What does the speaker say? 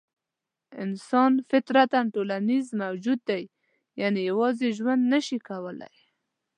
انسان فطرتاً ټولنیز موجود دی؛ یعنې یوازې ژوند نه شي کولای.